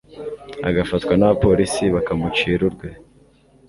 agafatwa n'abapolisi bakamucira urwe